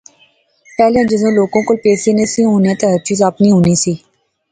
پہلیاں جذوں لوکاں کول پیسے نی سی ہونے تے ہر چیز آپنی ہونی سی